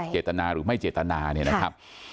เจตนาหรือไม่เจตนา